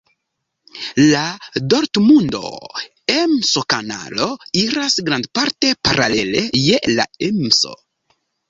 La Dortmundo-Emsokanalo iras grandparte paralele je la Emso.